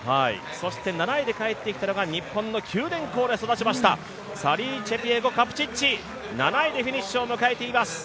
そして７位で帰ってきましたのが日本の九電工、サリーチェピエゴ・カプチッチ７位でフィニッシュを迎えています